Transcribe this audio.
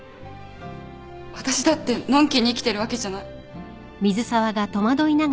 私だってのんきに生きてるわけじゃない。